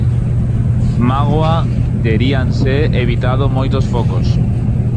Mágoa, teríanse evitado moitos focos.